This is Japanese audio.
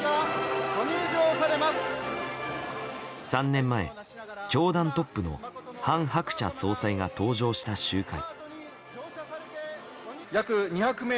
３年前、教団トップの韓鶴子総裁が登場した集会。